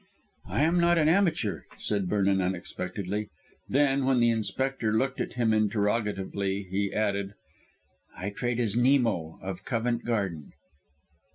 "I am not an amateur," said Vernon unexpectedly; then, when the Inspector looked at him interrogatively, he added, "I trade as Nemo, of Covent Garden."